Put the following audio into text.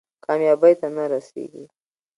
کامیابۍ ته نه رسېږي.